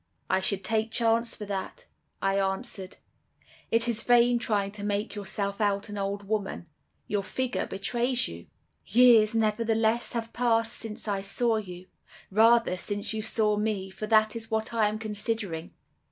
"'I should take chance for that,' I answered. 'It is vain trying to make yourself out an old woman; your figure betrays you.' "'Years, nevertheless, have passed since I saw you, rather since you saw me, for that is what I am considering.